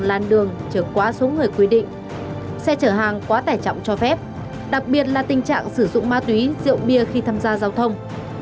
làn đường trở quá số người quy định xe chở hàng quá tải trọng cho phép đặc biệt là tình trạng sử dụng ma túy rượu bia khi tham gia giao thông